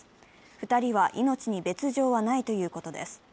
２人は命に別状はないということです。